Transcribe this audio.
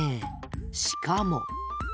しかも。